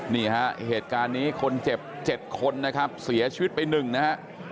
นี่ฮะเหตุการณ์นี้คนเจ็บ๗คนนะครับเสียชีวิตไป๑นะฮะ